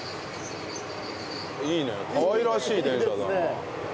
いいねかわいらしい電車だな。